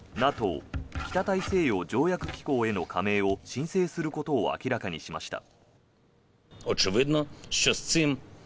ＮＡＴＯ・北大西洋条約機構への加盟を申請することを明らかにしました。